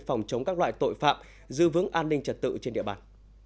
phòng chống các loại tội phạm giữ vững an ninh trật tự trên địa bàn